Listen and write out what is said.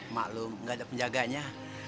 mak lo gak ada penjaganya